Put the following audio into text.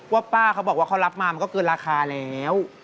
ป้าเขาบอกว่าเขารับมามันก็เกินราคาแล้ว